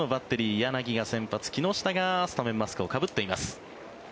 柳が先発木下がスタメンのマスクをかぶっています。